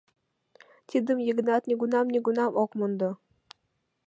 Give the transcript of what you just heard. Тидым Йыгнат нигунам-нигунам ок мондо.